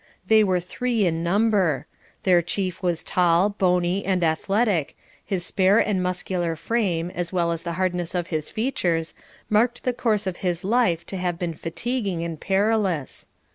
They were three in number; their chief was tall, bony, and athletic, his spare and muscular frame, as well as the hardness of his features, marked the course of his life to have been fatiguing and perilous.